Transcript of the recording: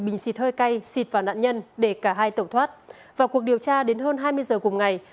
bình xịt hơi cay xịt vào nạn nhân để cả hai tẩu thoát vào cuộc điều tra đến hơn hai mươi giờ cùng ngày